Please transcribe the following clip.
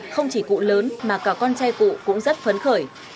không chỉ cụ lớn mà cả con trai cụ cũng rất phấn khởi